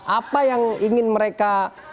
apa yang ingin mereka